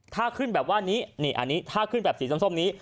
ถ้าขึ้นแบบนี้ถ้าขึ้นแบบสีส้มนี้